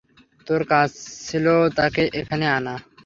তোর কাজ ছিল তাকে এখানে আনা।